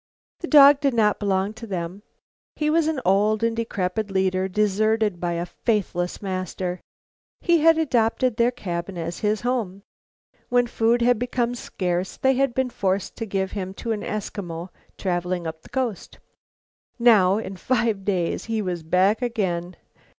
The dog did not belong to them. He was an old and decrepit leader, deserted by a faithless master. He had adopted their cabin as his home. When food had become scarce, they had been forced to give him to an Eskimo traveling up the coast. Now, in five days he was back again.